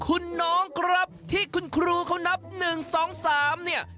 คุณน้องครับที่คุณครูเขานับ๑๒๓เนี่ย